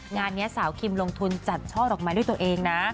งานนี้สาวคิมลงทุนจัดช่อดอกไม้ด้วยตัวเองนะ